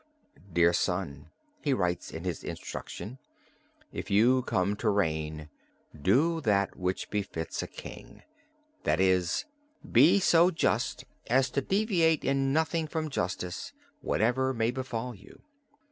"Dear son," he writes in his Instruction, "if you come to reign, do that which befits a king, that is, be so just as to deviate in nothing from justice, whatever may befall you.